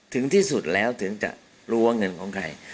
ถึงที่สุดแล้วถึงจะรู้ว่าเงินของใคร